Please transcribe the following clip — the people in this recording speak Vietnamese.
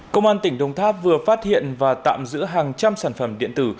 công an tỉnh đồng tháp vừa phát hiện và tạm giữ hàng trăm sản phẩm điện tử